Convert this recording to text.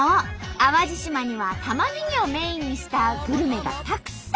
淡路島にはたまねぎをメインにしたグルメがたくさん！